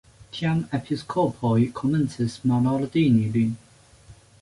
Tiam episkopoj komencis malordini lin.